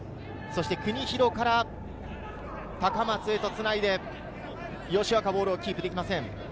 国広から高松へとつないで、ボールをキープできません。